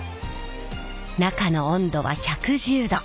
中の温度は１１０℃。